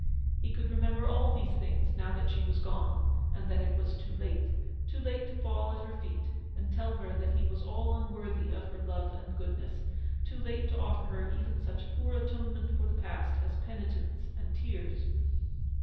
He could remember all these things now that she was gone, and that it was too late ; too late to fall at her feet and tell her that he was all un worthy of her love and goodness ; too late to offer her even such poor atonement for the past as penitence and tears.